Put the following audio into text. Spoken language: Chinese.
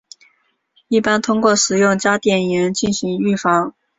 一般通过使用加碘盐进行预防。